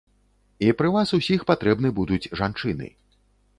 І пры вас усіх патрэбны будуць жанчыны.